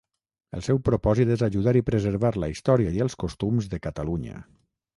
El seu propòsit és ajudar i preservar la història i els costums de Catalunya.